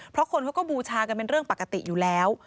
เพราะคนเขาก็บูชากันเป็นเรื่องปกติอยู่แล้ว